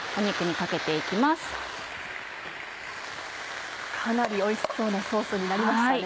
かなりおいしそうなソースになりましたね。